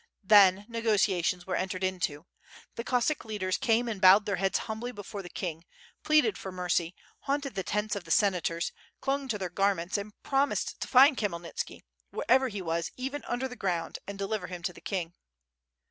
Then negotiations were entered into. The Cossack leaders came and bowed their heads humbly before the king, pleaded for mercy, haunted the tents of the Senators, clung to their garments, and promised to find Khmyelnitski, wherever he was even under the ground and deliver him to the king.